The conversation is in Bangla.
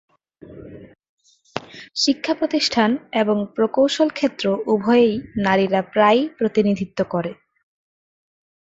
শিক্ষা প্রতিষ্ঠান এবং প্রকৌশল ক্ষেত্র উভয়েই নারীরা প্রায়ই প্রতিনিধিত্ব করে।